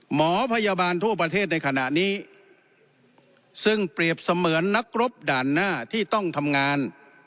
หมอพยาบาลทั่วประเทศในขณะนี้ซึ่งเปรียบเสมือนนักรบด่านหน้าที่ต้องทำงาน